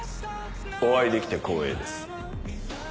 お会いできて光栄です。